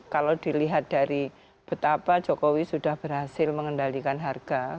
kalau dilihat dari betapa jokowi sudah berhasil mengendalikan harga